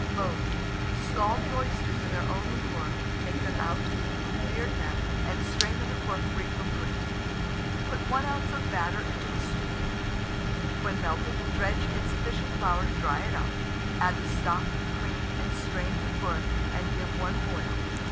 Mode. Scald the oysters in their own liquor, take them out, beard them, and strain the liquor free from grit. Put 1 oz. of batter into a stewpan; when melted, dredge in sufficient flour to dry it up; add the stock, cream, and strained liquor, and give one boil.